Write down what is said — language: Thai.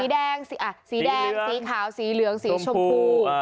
สีแดงสีขาวสีเหลืองสีชมพู